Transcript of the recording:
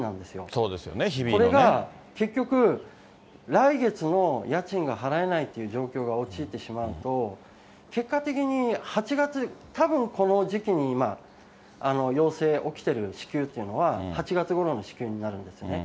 これが結局、来月の家賃が払えないという状況に陥ってしまうと、結果的に８月、たぶんこの時期に、要請起きてる支給っていうのは、８月ごろの支給になるんですよね。